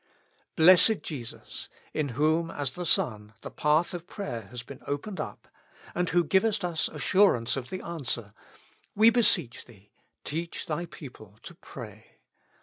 Blessed Jesus ! in whom as the Son the path of prayer has been opened up, and who givest us assu rance of the answer, we beseech Thee, teach Thy people to pray.